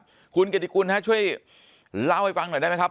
เจ้าหน้าที่เกติกุลนะครับช่วยเล่าให้ฟังหน่อยได้ไหมครับ